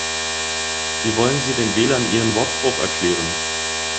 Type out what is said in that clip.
Wie wollen Sie den Wählern Ihren Wortbruch erklären?